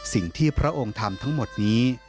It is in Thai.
สิ่งที่พระองค์ทำทั้งหมดนี้